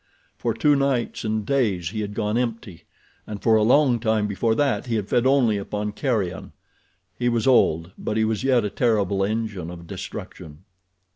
For two nights and days he had gone empty, and for long time before that he had fed only upon carrion. He was old; but he was yet a terrible engine of destruction.